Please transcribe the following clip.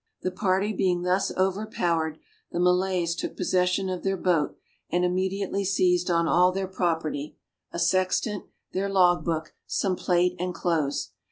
The party being thus overpowered, the Malays took possession of their boat and immediately seized on all their property, a sextant, their log book, some plate and clothes.